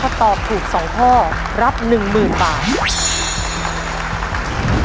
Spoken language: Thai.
ถ้าตอบถูก๒ข้อรับ๑๐๐๐บาท